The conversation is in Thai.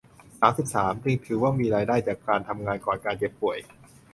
สามสิบสาม จึงถือว่ามีรายได้จากการทำงานก่อนการเจ็บป่วย